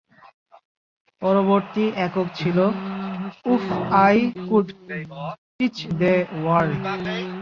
পরবর্তী একক ছিল "if I could teach the world".